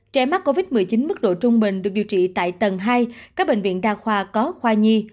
trẻ mắc covid một mươi chín mức độ trung bình được điều trị tại tầng hai các bệnh viện đa khoa có khoa nhi